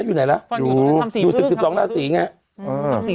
ฟันอยู่ตรงที่ทำสีพึ่งอยู่สิบสิบลองลาสีไง